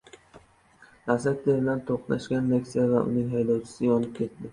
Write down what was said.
Lacetti bilan to‘qnashgan Nexia va uning haydovchisi yonib ketdi